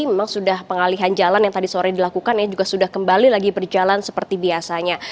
memang sudah pengalihan jalan yang tadi sore dilakukan ya juga sudah kembali lagi berjalan seperti biasanya